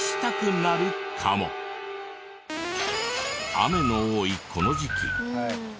雨の多いこの時期。